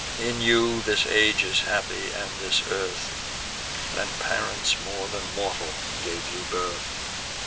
In you this age is happy, and this earth, And parents more than mortal gave you birth.